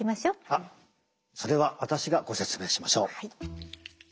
あっそれは私がご説明しましょう。